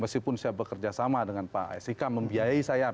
meskipun saya bekerjasama dengan pak aisyika membiayai saya